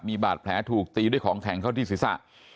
มีบาดแผลถูกตีด้วยของแข็งเข้าที่ศีรษะ